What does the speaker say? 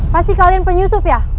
pasti kalian penyusup ya